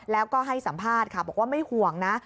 แล้วก็ให้สัมภาษณ์ค่ะบอกว่าไม่ห่วงนะ